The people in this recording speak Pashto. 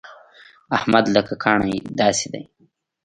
احمد لکه کاڼی داسې دی.